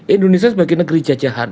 indonesia sebagai negeri jajahan